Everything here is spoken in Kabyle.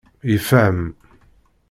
Yefhem.